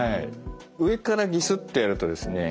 上からギスッとやるとですね